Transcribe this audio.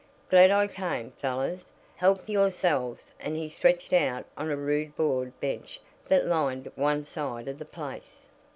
Glad I came! Fellows, help yourselves," and he stretched out on a rude board bench that lined one side of the place.